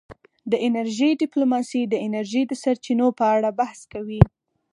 د انرژۍ ډیپلوماسي د انرژۍ د سرچینو په اړه بحث کوي